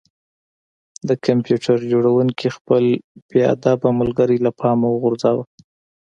د کمپیوټر جوړونکي خپل بې ادبه ملګری له پامه وغورځاوه